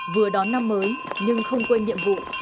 vừa đón năm mới nhưng không quên nhiệm vụ